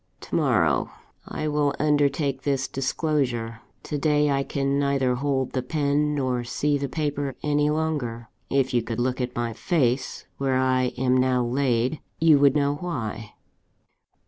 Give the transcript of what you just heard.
To morrow, I will undertake this disclosure to day, I can neither hold the pen, nor see the paper any longer. If you could look at my face, where I am now laid, you would know why!"